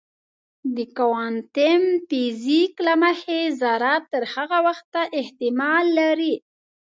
د کوانتم فزیک له مخې ذره تر هغه وخته احتمال لري.